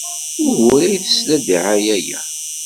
Wuɣur ay tesla ddiɛaya-a?